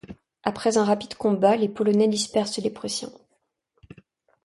Après un rapide combat, les Polonais dispersent les Prussiens.